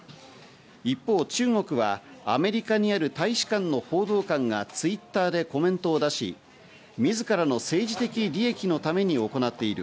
一方、中国はアメリカにある大使館の報道官がＴｗｉｔｔｅｒでコメントを出し、自らの政治的利益のために行っている。